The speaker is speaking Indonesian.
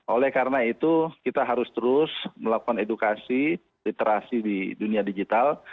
oleh karena itu kita harus terus melakukan edukasi literasi di dunia digital